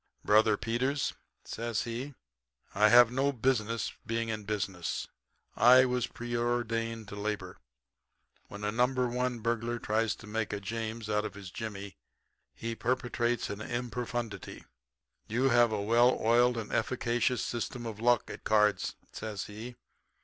"'Brother Peters,' says he, 'I have no business being in business. I was preordained to labor. When a No. 1 burglar tries to make a James out of his jimmy he perpetrates an improfundity. You have a well oiled and efficacious system of luck at cards,' says he.